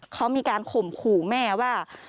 เขามีการข่มขู่แม่ว่า